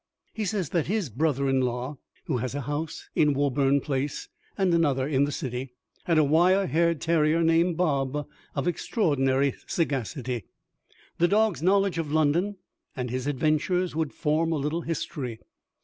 He says that "his brother in law, who has a house in Woburn Place, and another in the City, had a wire haired terrier named Bob, of extraordinary sagacity. The dog's knowledge of London and his adventures would form a little history.